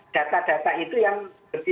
data data itu yang